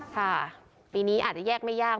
ค่ะปีนี้อาจจะแยกไม่ยาก